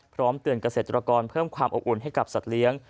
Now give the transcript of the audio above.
พร้อมเตือนเกษตรกรเพิ่มความอบอุ่นให้กับสัตว์เลี้ยง